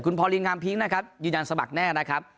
พอลิงงามพิ้งนะครับยืนยันสมัครแน่นะครับ